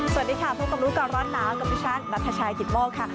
สวัสดีค่ะพบกับรู้ก่อนร้อนหนาวกับดิฉันนัทชายกิตโมกค่ะ